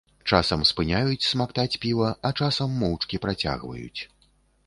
Часам спыняюць смактаць піва, а часам моўчкі працягваюць.